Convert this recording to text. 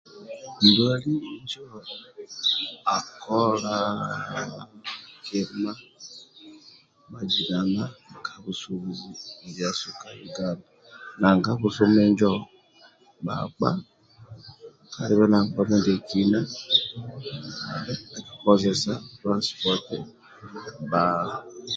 Ndwali akola kima mazinana ka busumi ndiasubka uganda nanga ka busumi injo bhakpa kalibe na nkpa mindiekina kozesa turansipoti bba